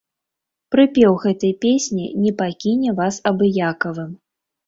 Прыпеў гэтай песні не пакіне вас абыякавым.